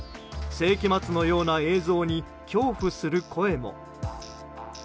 世紀末のような映像に恐怖する声も。